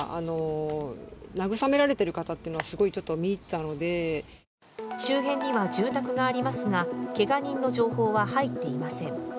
そして周辺には住宅がありますが、けが人の情報は入っていません。